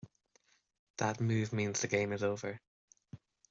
That move means the game is over.